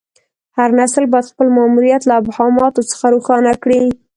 هر نسل باید خپل ماموریت له ابهاماتو څخه روښانه کړي.